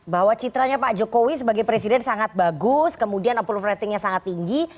bahwa citranya pak jokowi sebagai presiden sangat bagus kemudian approvatingnya sangat tinggi